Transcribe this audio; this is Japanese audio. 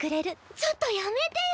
ちょっとやめてよ。